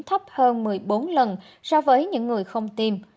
thấp hơn một mươi bốn lần so với những người không tiêm